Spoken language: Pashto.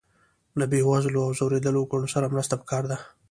له بې وزلو او ځورېدلو وګړو سره مرسته پکار ده.